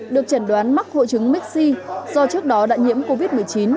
được chẩn đoán mắc hộ trứng mixi do trước đó đã nhiễm covid một mươi chín